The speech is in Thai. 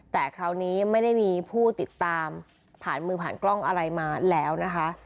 แต่คราวนี้ไม่ได้มีผู้ติดตามผ่านมือผ่านกล้องอะไรมาแล้วนะคะ